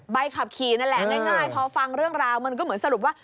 ใบขับขี่นั่นแหละง่ายพอฟังเรื่องราวมันก็เหมือนสรุปว่า